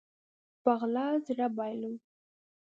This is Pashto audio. په غلا زړه بايلو